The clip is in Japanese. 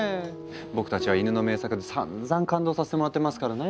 僕たちはイヌの名作でさんざん感動させてもらってますからね。